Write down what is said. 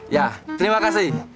ya terima kasih